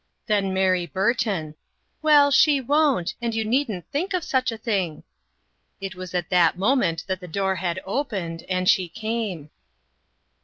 Then Mary B urton :" Well, she won't ; and you needn't think of such a thing." It was at that moment that the door had opened, and she came.